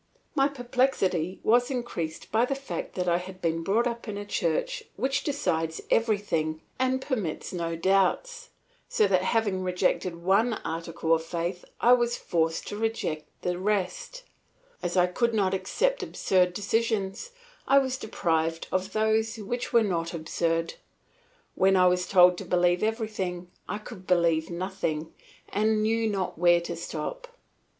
My perplexity was increased by the fact that I had been brought up in a church which decides everything and permits no doubts, so that having rejected one article of faith I was forced to reject the rest; as I could not accept absurd decisions, I was deprived of those which were not absurd. When I was told to believe everything, I could believe nothing, and I knew not where to stop.